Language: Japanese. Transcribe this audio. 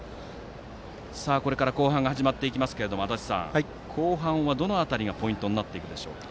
これから後半が始まりますが足達さん、後半はどの辺りがポイントでしょうか。